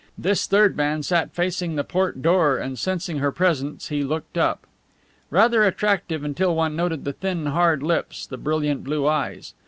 This third man sat facing the port door, and sensing her presence he looked up. Rather attractive until one noted the thin, hard lips, the brilliant blue eyes.